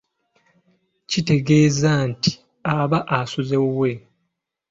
Kitegeeza nti aba asuze wuwe.